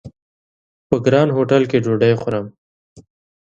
په ګران هوټل کې ډوډۍ خورم!